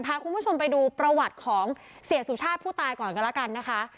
พาคุณผู้ชมไปดูประวัติของเสียสุชาติผู้ตายก่อนกันแล้วกันนะคะ